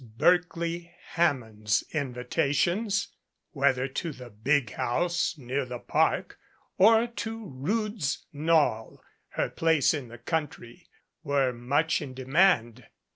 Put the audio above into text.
Berkeley Hammond's invitations, whether to the big house near the Park or to Rood's Knoll, her place in the country, were much in demand.